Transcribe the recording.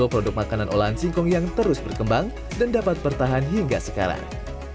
produk makanan olahan singkong yang terus berkembang dan dapat bertahan hingga sekarang